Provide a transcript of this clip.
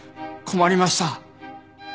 困りました。